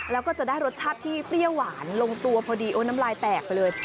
แล้วก็จะได้รสชาติที่เปรี้ยวหวานลงตัวพอดีโอ้น้ำลายแตกไปเลย